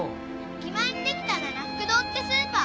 駅前にできたななふく堂ってスーパー。